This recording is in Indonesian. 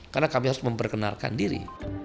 karena kami harus memperkenalkan diri